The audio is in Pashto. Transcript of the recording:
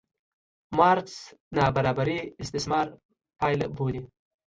مارکس نابرابري استثمار پایله بولي.